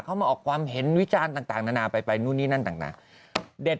เขามาออกความเห็นวิจารณ์ต่างนานาไปนู่นนี่นั่นต่างเด็ด